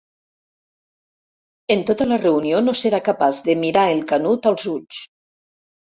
En tota la reunió no serà capaç de mirar el Canut als ulls.